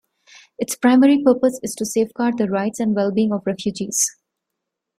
Its primary purpose is to safeguard the rights and well-being of refugees.